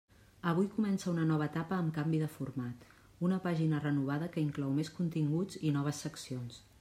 Avui comença una nova etapa amb canvi de format, una pàgina renovada que inclou més continguts i noves seccions.